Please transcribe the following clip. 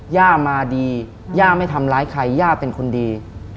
ย่ามาดีย่าไม่ทำร้ายใครย่าเป็นคนดี